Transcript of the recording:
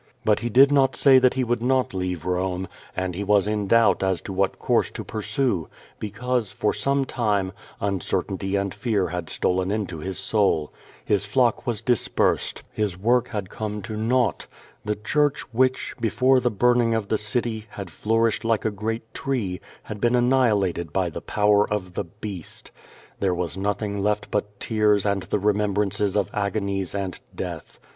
But he did not say that he would i|ot leave Rome, and he was in doubt as to what course to pursue, because, for some time, uncertainty and fear had stolen into his soul. His flocic was dispersed, his work had come to naught. The Church which, before the burning of the city, had flourished like a great tree, had been annihilated by the power of the "Beast." There was nothing left but tears and the remembrances of agonies and death.